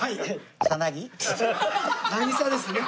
「渚」ですね。